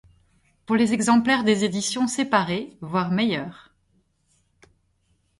Pour les exemplaires des éditions séparées, voir Meyer.